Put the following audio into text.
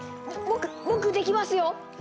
僕僕できますよ！